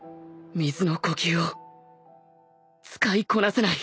水の呼吸を使いこなせない